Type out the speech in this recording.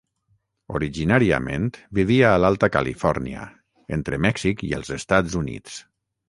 Originàriament vivia a l'Alta Califòrnia, entre Mèxic i els Estats Units.